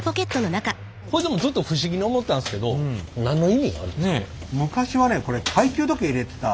これずっと不思議に思ってたんですけど何の意味があるんですか？